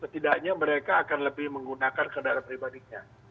setidaknya mereka akan lebih menggunakan kendaraan pribadinya